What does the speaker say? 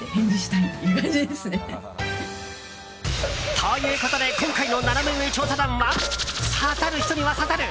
ということで今回のナナメ上調査団は刺さる人には刺さる！